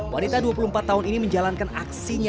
wanita dua puluh empat tahun ini menjalankan aksinya